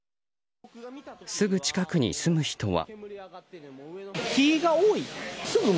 すぐ近くに住む人は。